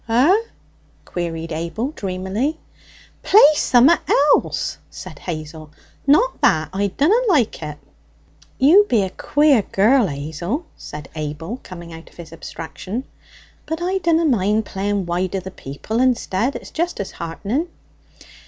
'Ur?' queried Abel dreamily. 'Play summat else!' said Hazel, 'not that; I dunna like it.' 'You be a queer girl, 'Azel,' said Abel, coming out of his abstraction. 'But I dunna mind playing "Why do the People?" instead; it's just as heartening.'